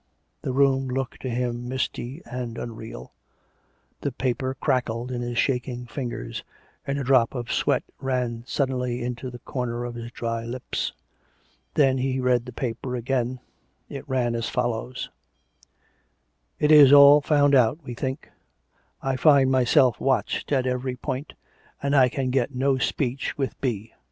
The room looked to him misty and unreal; the paper crackled in his shaking fingers, and a drop of sweat ran suddenly into the corner of his dry lips. Then he read the paper again. It ran as follows: " It is all found out, we think. I find myself watched at every point, and I can get no speech with B.